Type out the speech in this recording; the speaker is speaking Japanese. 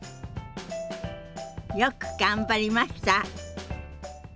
よく頑張りました。